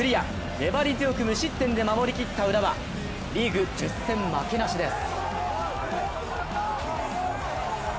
粘り強く無失点で守りきった浦和リーグ１０戦、負けなしです。